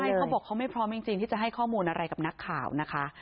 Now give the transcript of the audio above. ใช่เขาบอกเขาไม่พร้อมจริงที่จะให้ข้อมูลอะไรกับนักข่าวนะคะ